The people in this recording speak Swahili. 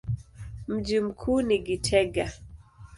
Mji mkuu ni Gitega.